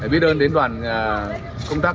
biết ơn đến đoàn công tác